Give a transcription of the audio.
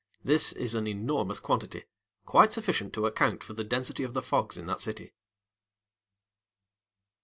This is an enormous quantity, quite sufficient to account for the density of the fogs in that city.